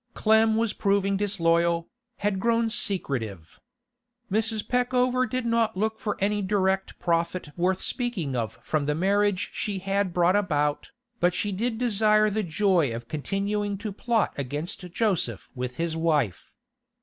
Clem was proving disloyal, had grown secretive. Mrs. Peckover did not look for any direct profit worth speaking of from the marriage she had brought about, but she did desire the joy of continuing to plot against Joseph with his wife.